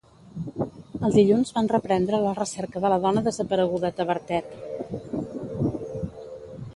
El dilluns van reprendre la recerca de la dona desapareguda a Tavertet.